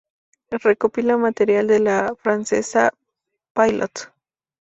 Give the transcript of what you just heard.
Recopilaba material de la francesa "Pilote".